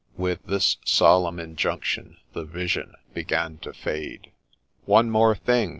With this solemn injunction the vision began to fade. ' One thing more